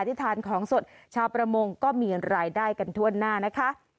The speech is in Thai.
ที่ทานของสดชาวประมงก็มีรายได้กันทั่วหน้านะคะ